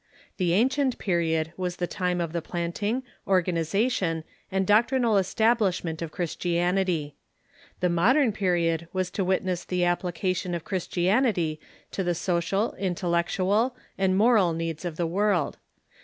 The Ancient Period was the time of the planting, organization, and doctrinal establish thi^£dTe'Ag°e*s '^^"^^^ Christianity. The Modern Period was to witness the application of Christianity to the social, intellectual, and moral needs of the world.